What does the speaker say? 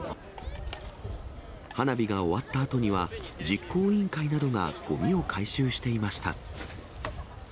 花火が終わったあとには、実行委員会などがごみを回収していました。